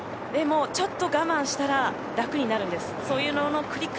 でも、ちょっと我慢したら楽になるんです。